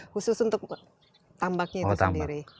khusus untuk tambaknya itu sendiri